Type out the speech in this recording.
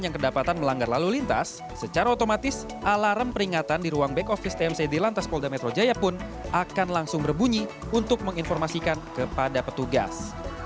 yang kedapatan melanggar lalu lintas secara otomatis alarm peringatan di ruang back office tmc di lantas polda metro jaya pun akan langsung berbunyi untuk menginformasikan kepada petugas